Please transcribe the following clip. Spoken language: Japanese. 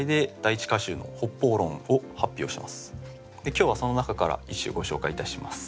今日はその中から一首ご紹介いたします。